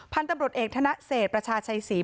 พรรภนตำรวจเอกทนาเสชประชาชัยศรี